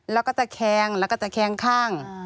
แล้วก็ตะแคงแล้วก็ตะแคงข้าง